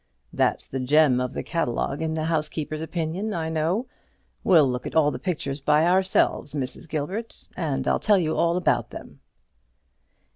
That's the gem of the catalogue in the housekeeper's opinion, I know. We'll look at the pictures by ourselves, Mrs. Gilbert, and I'll tell you all about them."